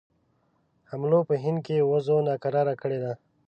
حملو په هند کې وضع ناکراره کړې ده.